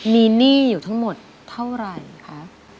มีหนี้อยู่ทั้งหมดเท่าไหร่คะ